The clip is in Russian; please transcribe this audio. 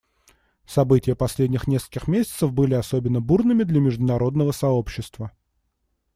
События последних нескольких месяцев были особенно бурными для международного сообщества.